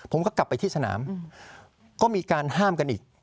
ผมก็กลับไปที่สนามก็มีการห้ามกันอีก